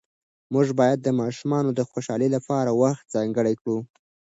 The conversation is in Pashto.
موږ باید د ماشومانو د خوشحالۍ لپاره وخت ځانګړی کړو